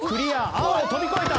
青を跳び越えた。